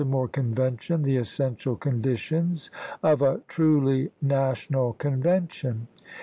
more Convention the essential conditions of a truly national convention.